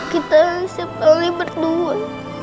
kita setahun berdua